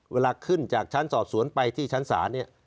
เวลาขึ้นจากชั้นสอบสวนไปที่ชั้นศาลเนี่ย